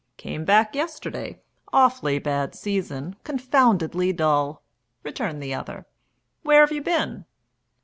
"Came back yesterday awfully bad season confoundedly dull," returned the other. "Where have you been?"